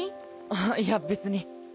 あっいや別に。